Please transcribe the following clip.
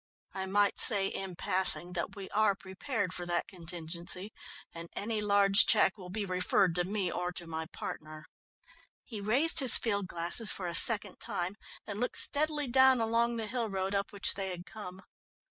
I might say in passing that we are prepared for that contingency, and any large cheque will be referred to me or to my partner." He raised his field glasses for a second time and looked steadily down along the hill road up which they had come.